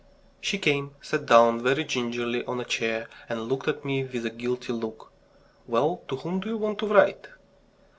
She came, sat down very gingerly on a chair, and looked at me with a guilty look. "Well, to whom do you want to write?"